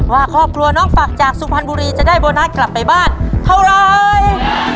ว่าครอบครัวน้องฝักจากสุพรรณบุรีจะได้โบนัสกลับไปบ้านเท่าไร